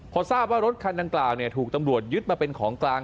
พอทราบว่ารถคันดังกล่าวถูกตำรวจยึดมาเป็นของกลาง